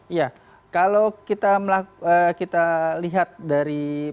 iya kalau kita melakukan kita lihat dari